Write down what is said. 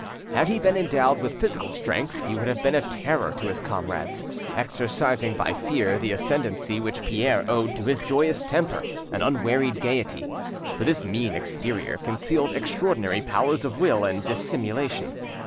Had he been endowed with physical strength he would have been a terror to his comrades, exercising by fear the ascendancy which Pierre owed to his joyous temper and unwearied gaiety, for this mean exterior concealed extraordinary powers of will and dissimulation.